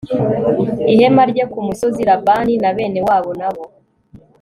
ihema rye ku musozi Labani na bene wabo na bo